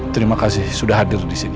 terima kasih sudah hadir di sini